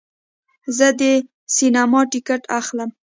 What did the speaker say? زه د سینما ټکټ اخلم.